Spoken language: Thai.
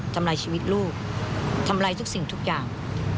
ทำร้ายชีวิตลูกทำร้ายทุกสิ่งทุกอย่าง